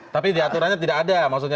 tapi diaturannya tidak ada maksudnya